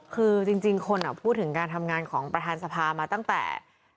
คือจริงคนพูดถึงการทำงานของประธานสภามาตั้งแต่